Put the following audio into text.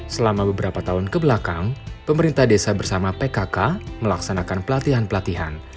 selama beberapa tahun kebelakang pemerintah desa bersama pkk melaksanakan pelatihan pelatihan